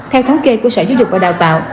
theo thống kê của sở giáo dục và đào tạo